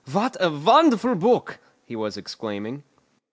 What a wonderful book!" he was exclaiming.